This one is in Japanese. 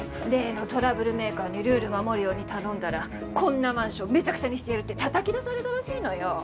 例のトラブルメーカーにルール守るように頼んだらこんなマンションめちゃくちゃにしてやる！ってたたき出されたらしいのよ。